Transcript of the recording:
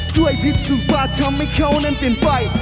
ด้วยพิสุภาษณ์ทำให้เขานั้นเปลี่ยนไป